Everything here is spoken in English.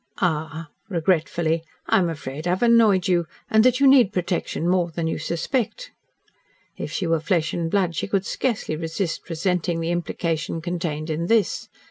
"Ah!" regretfully, "I am afraid I have annoyed you and that you need protection more than you suspect." If she were flesh and blood, she could scarcely resist resenting the implication contained in this.